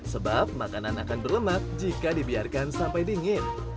sebab makanan akan berlemak jika dibiarkan sampai dingin